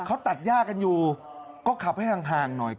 เขาตัดย่ากันอยู่ก็ขับให้ห่างหน่อย